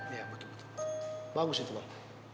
iya betul bagus itu bang